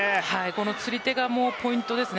この釣り手がポイントです。